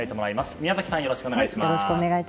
宮崎さん、よろしくお願いします。